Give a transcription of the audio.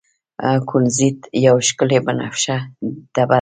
کونزیټ یوه ښکلې بنفشه ډبره ده.